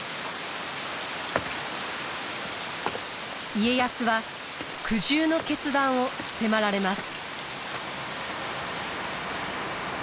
家康は苦渋の決断を迫られます。